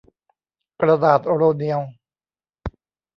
กระดาษโรเนียว